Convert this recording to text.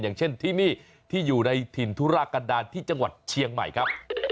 อย่างเช่นที่นี่ที่อยู่ในถิ่นธุรากันดาลที่จังหวัดเชียงใหม่ครับ